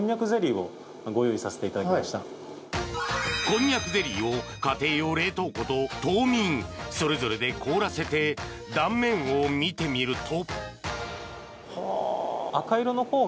こんにゃくゼリーを家庭用冷凍庫と凍眠それぞれで凍らせて断面を見てみると。